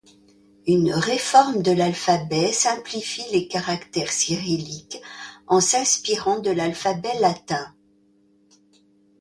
Une réforme de l’alphabet simplifie les caractères cyrilliques, en s'inspirant de l'alphabet latin.